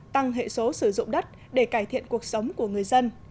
tăng hệ số sử dụng đất để cải thiện cuộc sống của người dân